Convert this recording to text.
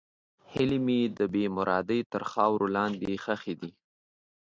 هیلې مې د بېمرادۍ تر خاورو لاندې ښخې دي.